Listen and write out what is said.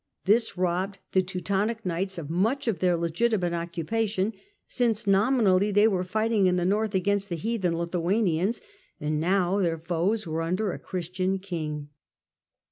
this robbed the Teutonic knights of much of their legiti mate occupation, since nominally they were fighting in the North against the heathen Lithuanians, and now their foes were under a Christian King.